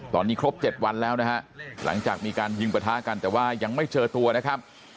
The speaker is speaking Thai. ตอนนี้ครบ๗วันแล้วนะฮะหลังจากมีการยิงประทะกันแต่ว่ายังไม่เจอตัวนะครับ